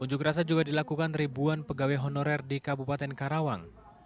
unjuk rasa juga dilakukan ribuan pegawai honorer di kabupaten karawang